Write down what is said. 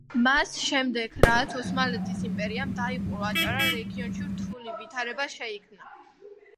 მას შემდეგ რაც ოსმალეთის იმპერიამ დაიპყრო აჭარა რეგიონში რთული ვითარება შეიქმნა.